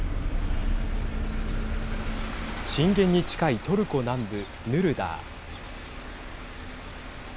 震源に近いトルコ南部ヌルダー。